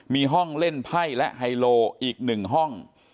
มีห้องเล่นไพ่และไฮโลอีก๑ห้อง